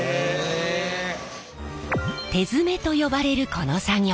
手詰めと呼ばれるこの作業。